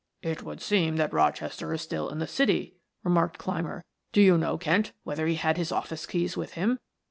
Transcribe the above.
"It would seem that Rochester is still in the city," remarked Clymer. "Do you know, Kent, whether he had his office keys with him?"